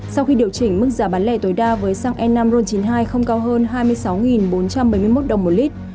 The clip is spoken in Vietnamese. sau khi điều chỉnh mức giá bán lẻ tối đa với xăng e năm ron chín mươi hai không cao hơn hai mươi sáu bốn trăm bảy mươi một đồng một lít